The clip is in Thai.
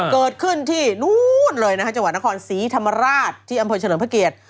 เกิดขึ้นที่นู่นเลยนะฮะจังหวัดนครศรีธรรมราชที่อำเภอเฉลิมพระเกียรติ